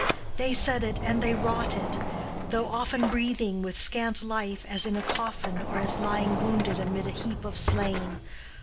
They said it and they wrought it, though often breathing with scant life, as in a coffin, or as lying wounded amid a heap of slain.